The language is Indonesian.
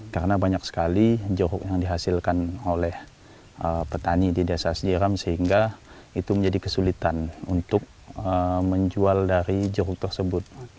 karena banyak sekali jeruk yang dihasilkan oleh petani di desa sejiram sehingga itu menjadi kesulitan untuk menjual dari jeruk tersebut